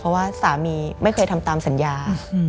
เพราะว่าสามีไม่เคยทำตามสัญญา